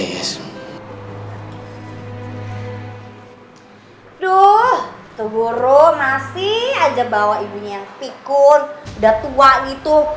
tuh tuh burung masih aja bawa ibunya pikun udah tua gitu